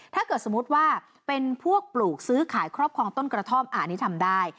ถ้าเกิดสมมุติว่าเป็นพวกปลูกซื้อขายครอบครองต้นกระท่อมอันนี้ทำได้